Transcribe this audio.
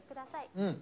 うん。